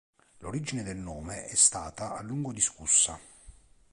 L'origine del nome è stata a lungo discussa.